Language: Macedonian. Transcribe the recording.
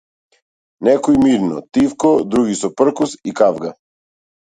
Некои мирно, тивко, други со пркос и кавга.